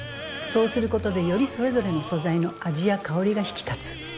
そうすることでよりそれぞれの素材の味や香りが引き立つ。